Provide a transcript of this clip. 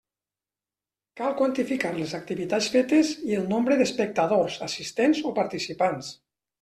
Cal quantificar les activitats fetes i el nombre d'espectadors, assistents o participants.